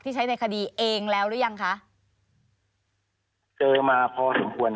ใช้ในคดีเองแล้วหรือยังคะเจอมาพอสมควร